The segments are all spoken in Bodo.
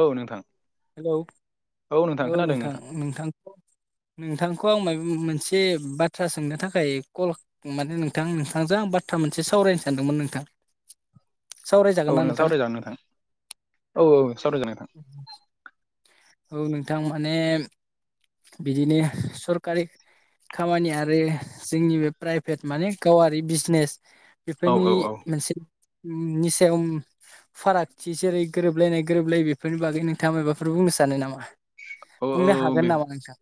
औ नोंथां हेलौ औ नोंथां नोंथां नोंथांखौ आं मायबा मोनसे बाथ्रा सोंनो थाखाय कल माने नोंथां नोंथांजों आ बा थ्रा‌ मोनसे सावरायनो सानदोंमोन नोंथां औ सावरायजागोन ना नों सावरायजानो नोंथां औ औ सावरायजानाय नोथां औ नोंथां माने बिदिनो सरकारि खामानि आरो जोंनि बे प्राइभेट माने गावारि बिजनेस औ बेफोरनि औ औ मोनसेनि सायाव फारागथि जेरै गोरोबलायनाय गोरोबलायै बेफोरनि बागै नोंथाङा मायबाफोर बुंनो सानो नामा औ औ बुंनो हागोन नामा नोंथां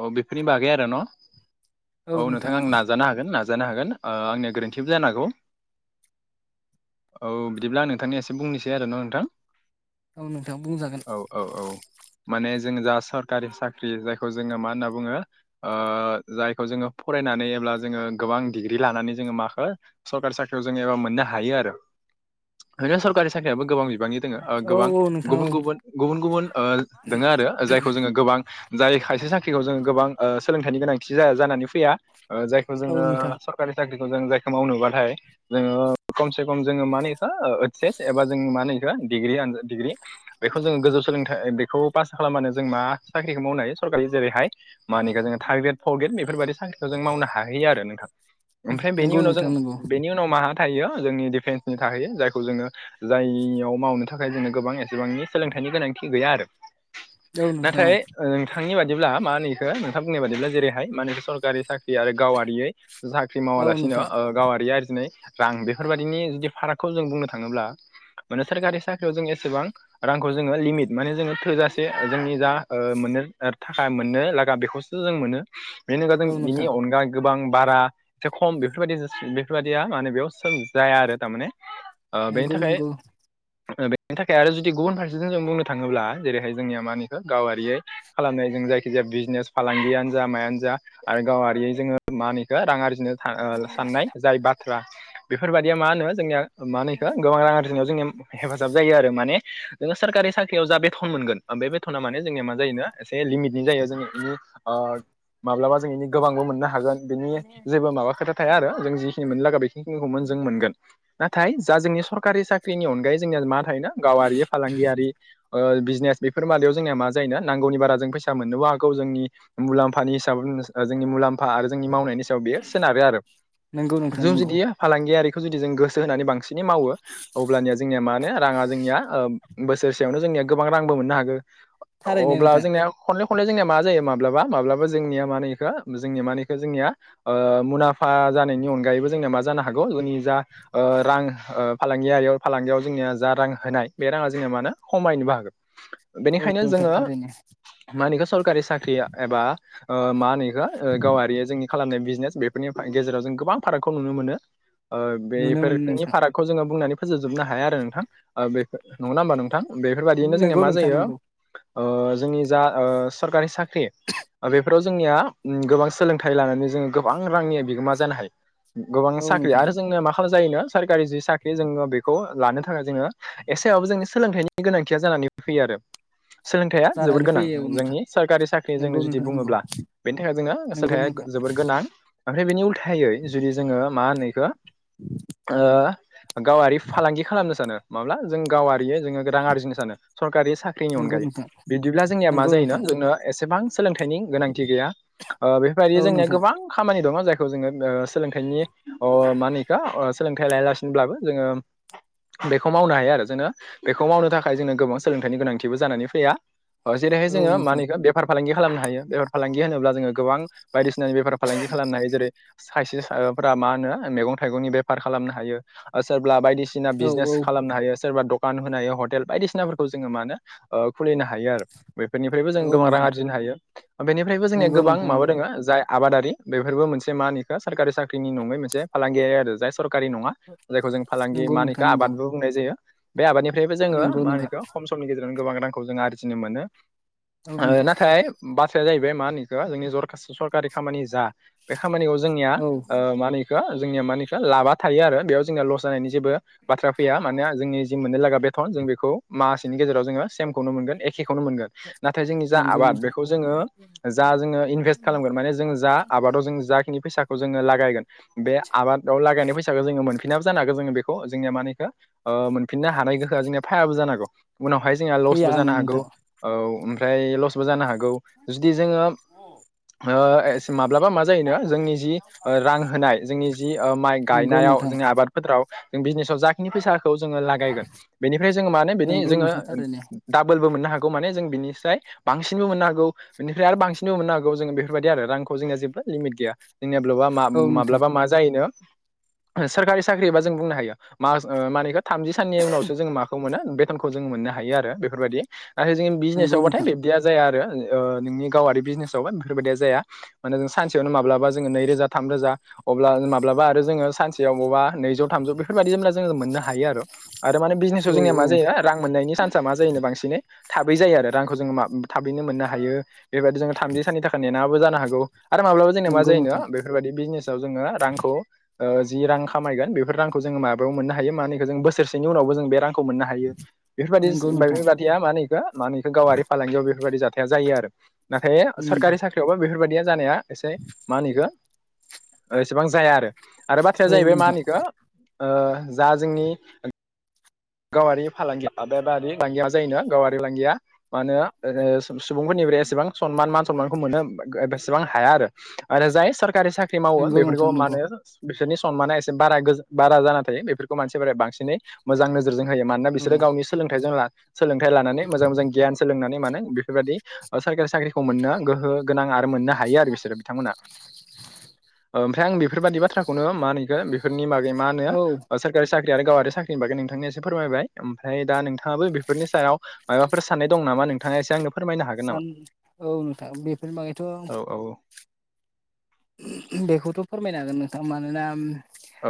औ बेफोरनि बागै आरो न' औ नोंथां आं नाजानो हागोन नाजानो हागोन आंनिया गोरोन्थिबो जानो हागौ औ बिदिब्ला आं नोंथांनियासे बुंनोसै आरो न' नोंथां औ नोंथां बुंजागोन औ औ औ माने जों जा सरकारि साख्रि जायखौ जोङो मा होनना बुङो ओ जायखौ जोङो फरायनानै एब्ला जोङो गोबां दिग्रि लानानै जोङो माखो सरकारि साख्रियाव जोङो एबा मोननो हायो आरो इदिनो सरकारि साख्रियाबो गोबां दङ औ गोबां औ नोंथां औ गुबुन गुबुन गुबुन दङ आरो जाय गोबां जाय खायसे साख्रिखौ जोङो गोबां ओ सोलोंथाइनि गोनांथि जानानै फैया जायखौ औ जोङो नोंथां सरकारि साख्रि जों जायखौ मावनोबाथाय जोङो खमसे खम जोङो मानि इखौ ओइ सस एबा जों मा होनो इखौ डिग्रि आनजाद डिग्रि बेखौ जोङो गोजौ सोलोंथाइ बेखौ पास खालामबानो जों मा साख्रिखौ मावनो हायो सरकारि जेरैहाय मानि जोङो थार ग्रेड फर्थ ग्रेद बेफोरबायदि साख्रिखौ जों मावनो हायो आरो नोंथां ओमफ्राय बेनि नंगौ उनाव जों नोंथां नंगौ बेनि उनाव मा थायो जोंनि डिफेन्सनि थाखाय जायखौ जोङो जाययाव मावनो थाखाय जोङो गोबां एसेबांनि सोलोंथाइ गोनां गैया आरो औ नोंथां नाथाय औ ओं नोंथांनि बादिब्ला मा होनो इखौ नोंथां बुंनाय बादिब्ला जेरैहाय माखो सरकारि साख्रि आरो गावारियै साख्रि औ मावालासिनो नोंथां गावारि आरजिनाय रां बेफोरबायदिनि जुदि फारागखौ जों बुंनो थाङोब्ला माने सोरखारि साख्रियाव जों एसेबां रांखौ जोङो लिमिट माने जोङो थोजासे जोंनि जा मोननो थाखाया मोननो लागा बेखौसो जों मोनो। बेनो अनगा औ जों बिनि नोंथां अनगा गोबां बारा एसे खम बेफोर बायदि बेफोर बायदिया माने बेयाव जाया आरो थार माने। ओ बेनि नंगौ थाखाय नंगौ बेनि थाखाय आरो जुदि गुबुन फारसेथि जों बुंनो थाङोब्ला जेरैहाय जोंनिया मा होनो इखौ गावारियै खालामनाय जों जायखि जाया बिजनेस फालांगियानो जा मायानो जा आरो गावारि जोङो मा होनो इखौ रां आरजिनो साननाय जाय बाथ्रा बेफोरबायदिया मा होनो जोंनिया मा होनो इखो गोबां रां आरजिनायाव जोंङो हेफाजाब जायो आरो माने जोङो सोरखारि साख्रियाव जा बेथन मोनगोन बेथना माने जोंनिया मा जायो एसे लिमिटनि जायो जों माब्लाबा जों एनि गोबांबो मोननो हागोन बिनि जेबो माबा खोथा थाया आरो जों जिखिनि मोननो लागा बेखिनिखिनिखौ जों मोनगोन। नाथाय जा जोंनि सरकारि साख्रिनि अनगायै जोंनिया मा थायोना गावारि फालांगियारि बिज बेफोर बायदियाव जोंनिया मा जायो नांगौनि बारा जों फैसा मोननोबो हागौ जोंनि मुलाम्फानि हिसाबै जोंनि मुलाम्फा आरो जोंनि मावनायनि सायाव बेयो सोनारो आरो। नंगौ नोंथां जों नंगौ जुदि फालांगि जुदि जों गोसो होनानै बांसिनै मावो अब्लानिया जोंनिया मा होना रांआ जोंनि बोसोरसेयावनो जोंनिया गोबां मोनो हागौ थारैनो अब्ला नोंथां जोंनिया खनले खनले जोंनिया मा जायो माब्लाबा माब्लाबा जोंनिया मा होनो जोंनि माने जोंनिया ओ मुलामफा जानायनि अनगायैबो जोंना मा जानो हा हागौ जोंनि जा ओ रां फालांगियारि फालांगियाव जोंनिया जा रां होनाय बे राङा जोंनिया मा खमायनोबो हागौ। औ बेनिखायनो नोंथां जोङो थारैनो मा होनो इखौ सरकारि साख्रिया एबा ओ मा होनो। गावारि जोंनि खालामनाय बिजनेस बेफोरनि गेजेराव जों गोबां फारागखौ नुनो मोनो। ओ नुनो मोनो बेफोरनि नोंथां फारागखौ जोङो बुंनानै फोजोबजोबनो हाया आरो नोंथां बे नङा होमबा नोंथां। बेफोरबादियैनो जोंनिया नंगौ मा नोंथां जायो नंगौ ओ जोंनि जा सरकारि साख्रि बेफोराव जोंनिया गोबां सोलोंथाइ लानानै जोङो गोबां रांनि बिगोमा जानो हायो। गोबां औ साख्रि नोंथां आरो जोंनो मा जायोनो सरकारि जि साख्रि जोङो बेखौ लानो थाखाय जोङो एसेबाबो जोंनि सोलोंथाइनि गोनांथिया जानानै फैयो आरो सोलोंथाइया जोबोर जानानै गोनां फैयो औ नोंथां जोंनि सरकारि साख्रि नंगौ जोंनो जुदि नोंथां नंगौ बुङोब्ला बेनि थाखाय जोंनो नंगौ सोलोंथाया नोंथां जोबोर गोनां। ओमफ्राय बेनि उल्थायै जुदि जोङो मा होनो बेखौ ओ गावारि फालांगि खालामनो सानो माब्ला जों गावारि जोङो रां आरजिनो सानो। सरकारि साख्रिनि नंगौ अनगायै। नोंथां बिदिब्ला जोंनिया मा नंगौ जायोना नोंथां जोंनो एसेबां सोलोंथाइनि गोनांथि गैया बेफोरबायदि औ जोंनिया नोंथां गोबां। खामानि दंङ। जायखौ जोंङो ओ सोलोंथाइनि ओ मानिखा ओ सोलोंथाइ लाया जाासिनोब्लाबो जोंङो बेखौ मावनो हायो आरो जोङो बेखौ मावनो थाखाय जोंनो गोबां सोलोंथाइनि गोनांथिबो जानानै फैया। जेरैहाय औ जोंङो नोंथां मानिका बेफार फालांगि खालामनो हायो बेफार फालांगि होनोब्ला जोंङो गोबां बायदिसिनानि बेफार फालांगि खालामनो हायो। जेरै साइसे साफ्रा मा होनो मैगं-थाइगंनि बेफार खालामनो हायो ओ सोरबा बायदि सिना औ औ बिजनेस खालामनो हायो सोरबा दखान होनायाव होटेल बायदिसिनाफोर खौ जोङो मानो ओ खुलिनो हायो आरो बेफोरनिफ्रायबो जों औ गोबां रां नोंथां आरजिनो हायो। बेनिफ्रायबो जोंनिया नंगौ गोबां नोंथां माबा दंङ जाय आबादारि बेफोरबो मोनसे मानिखा सोरकारि साख्रिनि नङै मोनसे फालांगियारि आरो जाय सर खारि नङा जायखौ जों फालांगि नंगौ नंगौ नोंथां मानिखा नंगौ आबादबो बुंनाय जायो। बे आबादनिफ्रायबो जोङो नंगौ मा होनो नोंथां नि गेजेर गोबां रांखौ जों आरजिनो मोनो औ नोंथां नाथाय बाथ्राया जा बे मानिखौ जोंनि जर'खासि सरकारि खामानि जा बे खामानिखौ जोंनिया औ ओ मानिखौ जोंनिया मानिखौ लाबा थायो आरो बेयाव जोंना लस जानायनि जेबो बाथ्रा फैया मानोना जोंनि जि मोननो लागा बेथन जों बेखौ मासेनि गेजेराव जोंङो सेमखौनो मोनगोन ए खेखौनो मोनगोन नाथाय जोंनि जा नंगौ आबाद नोंथां बेखौ जोङो जा जोङो इनभेस्ट खालामगोन माने जोङो जा आबादाव जों जाखिनि फैसाखौ जोङो लागायगोन बे आबादाव लागायनाय फैसा खौ जोङो मोनफिनाबो जानो हागौ जोङो बेखौ जोंनिया मानिखौ ओ मोनफिनो हानाय गोहोआ जोंनिया फायाबो जानो हागौ उनावहाय जोंहा फैया लसबो आं जानो हागौ नोंथां औ ओमफ्राय लसबो जानो हागौ जुदि जोङो ओ माब्लाबा मा जायो नो जोंनि जि ओ रां होनाय जोंनि जि माइ ओ नंगौ गायनायाव नोंथां जोंनि आबाद फोथाराव जों बिजनेस आव जाखिनि फैसाखौ जोङो लागायगोन बेनिफ्राय जोङो माने बेनि नंगौ जोङो नोंथां थारैनो दाबो फोरबो मोननो हागौ माने जों बिनिफ्राय बांसिनबो मोननो हागौ बिनिफ्राय आरो बांसिनबो मोननो हागौ जों बेफोरबायदि आरो रांखौ जोंनिया जेबो लिमिट गैया जोंनिया माब्लाबा मा औ नोंथां माब्लाबा मा जायो नो सोरखारि साख्रिबा जों बुंनो हायो मास ओ मानिखौ थामजि साननि उनावसो जोङो माखौ मोनो बेथनखौ जों मोननो हायो आरो बेफोरबायदि आरो जोंनि बिजनेस नंगौ आवबाथाय नोंथां बिब्दिया जाया आरो ओ नोंनि गावारि बिजनेस आवबा बेफोरबायदिया जाया माने जों सानसेयावनो माब्लाबा जोङो नैरोजा थामरोजा अब्ला माब्लाबा आरो जोङो सानसेयाव बावबा नैजौ थामजौ बेफोरबायदि होब्ला जोङो मोननो हायो आरो आरो माने बिजनेस आव औ जोंनिया औ मा जायो आ मोननायनि सान्स आ मा जायो नो बांसिनै थाबै जायो आरो रांखौ जों माफ थाबैनो मोननो हायो बे बादि जोंनो थामजि साननि थाखाय नेनांयाबो जानो हागौ आरो माब्लाबा जोंनिया मा नंगौ जायोनो नोंथां बेफोरबायदि बिजनेस आव जोङो रांखौ ओ जि रां खामायगोन बेफोर रांखौ जोङो माबायाव मोननो हायो मानिखौ जों बोसोरसेनि उनावबो जों बे रां खौ मोननो हायो बेफोरबादिस नंगौ नोंथां बेफोरबादिया मा होनो बेखौ मा होनो बेखौ गावआरि फालांगि बेफोरबायदि जाथाया जायो आरो नाथाय उम सोरखारि साख्रियावबो बेफोरबायदिया जानाया एसे मा होनो बेखौ ओ एसेबां जाया आरो आरो बाथ्राया औ जाहैबाय मा नोंथां होनो बेखौ ओ जा जोंनि गावआरि फालांगिया आबादारि फालांगिया मा जायो नो गाव आरि फालांगिया मा होनो ओ सुबुंफोरनिफ्राय एसेबां सनमान मान सनमानखौ मोननो ओ ओ बेसेबां हाया आरो जाय स सोरखारि साख्रि मावो नंगौ बेफोरखौ नोंथां नंगौ मानो बिसोरनि सनमाना एसे गोज बारा जाना थायो बेफोरखौ मानसिफोरा बांसिनै मोजां नोजोर होयो मानोना औ बिसोरो गावनि सोलोंथाइजों ला सोलोंथाइ लानानै मोजां मोजां गियान सोलोंनानै माने बेफोरबादि सरकारि साख्रिखौ मोननो गोहो गोनां आरो मोननो हायो आरो बिसोरो बिथांमोना ओमफ्राय आं बेफोरबादि बाथ्राखौनो मा होनो बेखौ बेफोरनि बागै मा होनो औ सोरकारि साख्रि आरो गावआारि साख्रिनि बागै नोंथांनो एसे फोरमायबाय ओमफ्राय दा नोंथाङाबो बेफोरनि सायाव माबा फोर साननाय दं नामा नोंथाङा एसे आंनो फोरमायनो हागोन नामा? सान औ नोंथां बेफोरनि बागैथ' औ औ बेखौथ' फोरमायनो हागोन नोंथां मानोना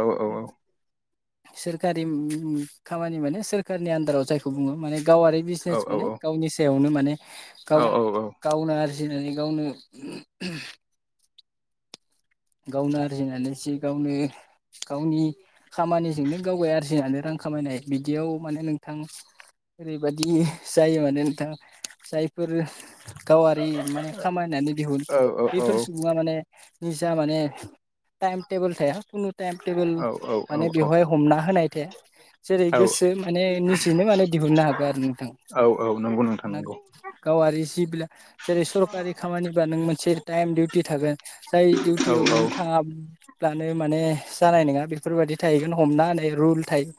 औ औ औ सोरखारि खामानि माने सोरखारनि आन्दाराव जायखौ बुङो माने गावारि औ बिजनेस माने गावनि सायावनो माने औ गाव औ गावनो आरो फुजिनानै गावनो गावनो आरजिनानै जि गावनो गावनि खामानिजोंनो गाव आरजिनानै रां खामायनाय बिदियाव माने नोंथां ओरैबायदि जायो माने नोंथाङा जायफोर गावारि माने खामायनानै दिहुन औ औ बेफोर सुबुङा माने जा माने टाइम टेबोल थाया खुनु टाइम टेबोल माने बेवहाय हमना होनाय थाया जेरै गोसो माने निजेनो माने दिहुननो हागोन आरो नोंथां औ औ नंगौ नों ना थांनांगौ गावारि सिबिलाइ जेरै सरकारि खामानिबा नों मोनसे टाइम दिउटि थागोन जाय औ दिउटियाव नों थाङा- ब्लानो माने जानाय नङा बेफोर बायदि थाहैगोन हमना होननाय रुल थायो।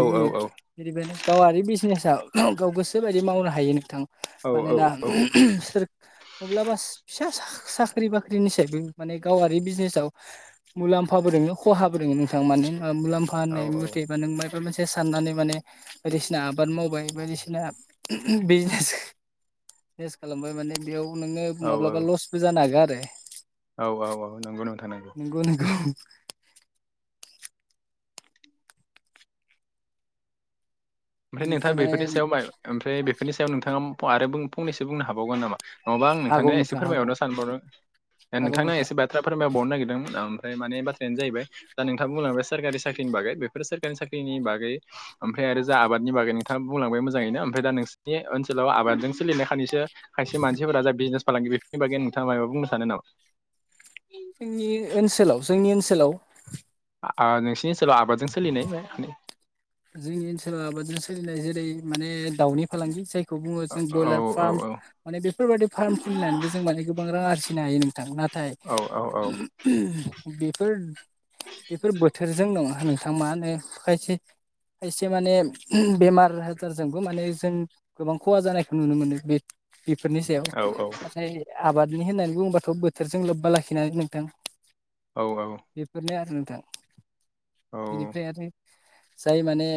औ बुङो औ औ बिनिखायनो गावारि बिजनेस गाव गोसोबायदि मावनो हायो नोंथां औ औ मानोना सोर माब्लाबा फिसा साख्रि बाख्रिनिसबो माने गावारि बिजनेसाव मुलाम्फाबो दंङो खहाबोदङो नोंथां मान मुलाम्फा होननाय मथेबा नों म माबा मोनसे साननानै माने बायदिसिना आबाद मावबाय बायदिसिना बिजनेस लस खालामबाय माने बेयाव नोङो औ माब्लाबा लसबो जानो हागोन आरो औ औ औ नंगौ नंगौ नंगौ ओमफ्राय बेनिफ्राय नोंथाङा माने बेफोरनि सायाव ओमफ्राय बेफोरनि सायाव नोंथाङा आरो फंनैसो बुंनो हाबावगोन नामा नङाबा आं हागौ नोंथांनो एसे नोंथां हागौ फोरमायरनो सानबावदों दे हागौ नोंथांनो नोंथां एसे बाथ्रा फोरमायबावरनो नागिरदोंमोन आं ओमफ्राय मे बाथ्रानो जाहैबाय दा नोंथांङा बुंलांबाय सोरकारि साख्रिनि बागै बेफोरो सोरकारि साख्रिनि बागै ओमफ्राय आरो जा आबादनि बागै नोंथाङा बुंलांबाय मोजाङैनो ओमफ्राय दा नोंसिनि ओनसोलाव आबादजों सोलिनायखानैसो खायसे मानसि राजा बिजिनेस फालांगि बेफोरनि बागै नोंथाङा माबा बुंनो सानो नामा जोंनि ओनसोलाव जोंनि ओनसोलाव नोंसिनि सोरब आबाद [unintelligible] जोंनि ओनसोलाव आबादजों सोलिनाय जेरै माने दाउनि फालांगि जाय खौ बुङो औ जों औ ब्रयलार औ फार्म औ माने बेफोरबाददि फार्म खुलिनानैबो जों माने गोबां रां आरजि फिनो हायो नोंथां नाथाय औ औ बेफोर बेफोर बोथोरजों दङा नोंथां मा होनो खायसे खायसे माने बेमार आजारजोंबो माने जों गोबां खहा जानायखौ नुनो मोनो बे बेफोरनि सायाव औ नाथाय आबाद बिनो होननानै बुङोबाथ' बोथोरजों लोब्बा लाखिनानै नोंथां औ औ बेफोरनो आरो न दा बिनिफ्राय आरो जाय माने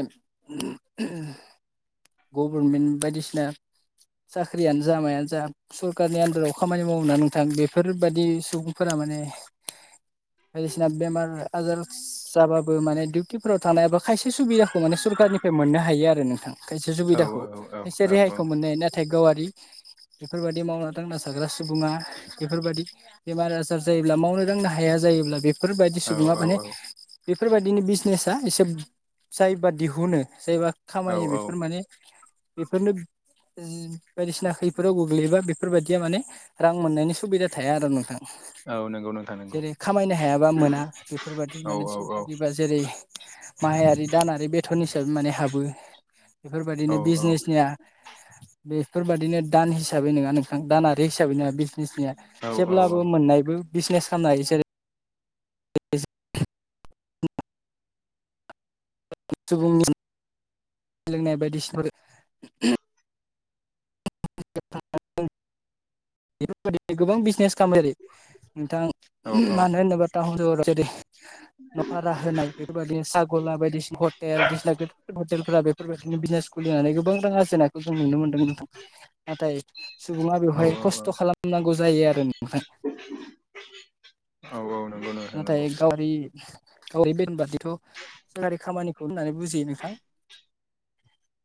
गभर्मेन्ट बायदिसिना साख्रियानो जाामायानो जा सरखारारनि आन्दाराव खामानि मावा नोंथां बेफोरबादि सुबुंफोरा मानि बायदिसिना बेमार आर जाबा बो माने डिउटिफोराव थानायाबा खायसे सुबिदाखौ माने सरखारनिफ्राय मोननो हायो आरो नोंथां खायसे सुबिदाखौ औ खायसे औ औ रेहायखौ मोननो हायो नाथाय गावारि बेफोरबायदि मावना दांना जाग्रा सुबुङा बेफोरबायादि बेमार आजार जायोब्ला मावनो दांनो हाया जायोब्ला बे बेफोरबायदि औ सुबुङा माने औ बेफोरबायदिनि बिजनेसा एसे जायबा दिहुनो जायबा औ खामायो औ बेफोर माने बेफोरनो बायदिसिना खैफदाव गोग्लैयोबा बेफोरबायदिया माने रां मोननायनि सुबिदा थाया आरो नोंथाङा औ नंगौ नोंथां नंगौ जेरै खामायनो हायाबा मोना बेफोरबायादि औ माने औ औ सरकारि बा जेरै माहायारि दानारि बेथन हिसाबै माने हाबो औ बेफोरबायदिनो औ बिजनेसनिया बेफोरबादिनो दान हिसाबै नोङा नोंथां दानारि हिसाबै नोङा बे औ औ जेब्लाबो मोननायबो बिजनेस खालामनो हायो जेरै बे [unintelligible] सुबुंनि [unintelligible] लोंनाय बायदिसफोर [unintelligible] बेफोरबायदि गोबां बिजनेस खालामो नोंथां औ मानो होनोबा टाउन सहर जेरै न' भारा होनाय बेफोरबायदि सागला बायदिसिना हटेल बिदिसिना गोगोम गोजोर हटेलफोरा बेफोरबायदि बिजनेस खुलिनानै गोबां रां आरजेननायखौ जों नुनो मोनदों नोंथां नाथाय सुबुङा औ बेवहाय खस्थ' खस्थ' खालामनांगौ जायो आरो नोंथां औ- औ। नंगौ नोंथां नाथाय नंगौ गावदि औ बेबादिथ' सोरखारि खामानिखौ होननानै बुजियो नोंथां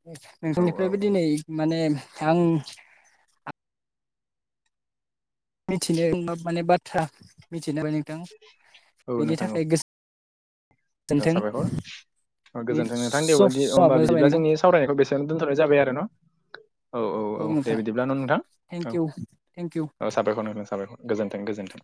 [unintelligible] औ औ नोंथांनिफ्रायबो औ दिनै माने आं मिथिनो गोनां माने बाथ्रा मिथिबाय नोंथां औ बेनि नोंथां औ थाखाय गोसो साबायखर। औ बेनि गोजोन्थों नोंथां दे। दि समाबो जाबाय बिदिब्ला नोंथां जोंनि सावरायनायखौ बेसेआवनो दोनथ'नाय जाबाय आरो न'। औ- औ- औ दे बिदिब्ला न' नोंथां थेंक इउ थेंक इउ साबायखर नोंथां। साबायखर। गोजोन्थों- गोजोनथों।